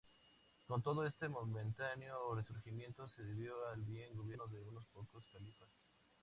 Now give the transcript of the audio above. Con todo, este momentáneo resurgimiento se debió al buen gobierno de unos pocos califas.